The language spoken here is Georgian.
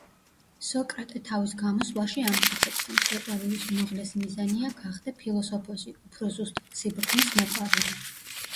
სოკრატე თავის გამოსვლაში ამტკიცებს, რომ სიყვარულის უმაღლესი მიზანია გახდე ფილოსოფოსი, უფრო ზუსტად სიბრძნის მოყვარული.